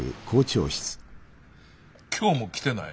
今日も来てない？